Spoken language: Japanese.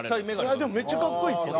でもめっちゃ格好いいですよ。